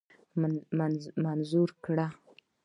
منظوره کړه.